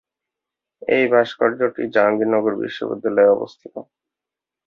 এই ভাস্কর্যটি জাহাঙ্গীরনগর বিশ্ববিদ্যালয়ে অবস্থিত।